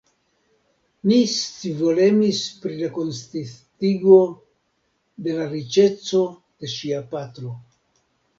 Mi scivolemis pri la konsistigo de la riĉeco de ŝia patro.